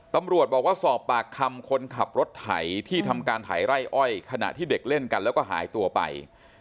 ตำรวจบอกว่าสอบปากคำคนขับรถไถที่ทำการไถไร่อ้อยขณะที่เด็กเล่นกันแล้วก็หายตัวไป